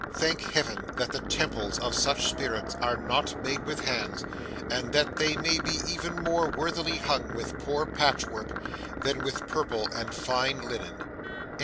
Thank Heaven that the temples of such spirits are not made with hands, and that they may be even more worthily hung with poor patch work than with purple and fine linen!